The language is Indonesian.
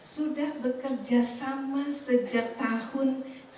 sudah bekerja sama sejak tahun seribu sembilan ratus sembilan puluh